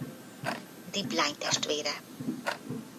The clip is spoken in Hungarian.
Dib lánytestvére.